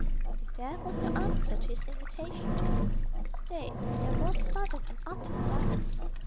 But there was no answer to his invitation. Instead there was sudden and utter silence.